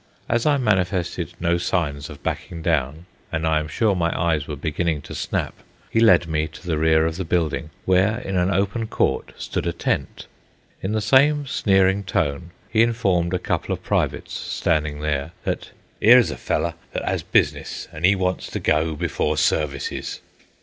As I manifested no signs of backing down (and I am sure my eyes were beginning to snap), he led me to the rear of the building where, in an open court, stood a tent. In the same sneering tone he informed a couple of privates standing there that "'ere is a fellow that 'as business an' 'e wants to go before services."